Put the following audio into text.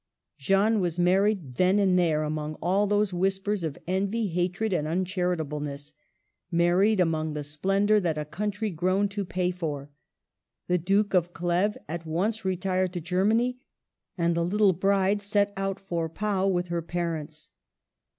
Jeanne was married then and there, among all those whispers of envy, hatred, and uncharita bleness, — married among the splendor that a country groaned to pay for. The Duke of Cleves at once retired to Germany, and the little bride set out for Pau with her parents.